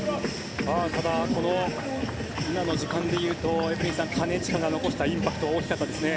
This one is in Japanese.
ただ、この今の時間でいうとエブリンさん金近が残したインパクトは大きかったですね。